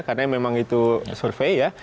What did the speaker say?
karena memang itu survei ya